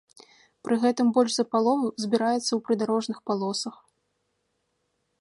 Пры гэтым больш за палову збіраецца ў прыдарожных палосах.